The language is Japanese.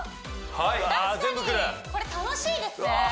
確かにこれ楽しいですね